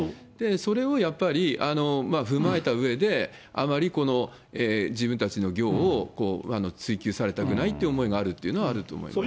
それをやっぱり踏まえたうえで、あまり自分たちの業を追及されたくないという思いがあるというのはあると思います。